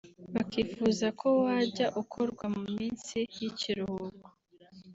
bakifuza ko wajya ukorwa mu minsi y’ikiruhuko